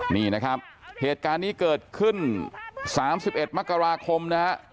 นี่นะครับเหตุการณ์นี้เกิดขึ้น๓๑มกราคมนะฮะ